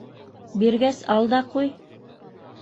Биргәс, ал да ҡуй.